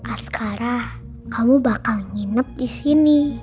askara kamu bakal nginep di sini